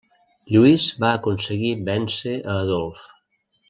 Lluís va aconseguir vèncer a Adolf.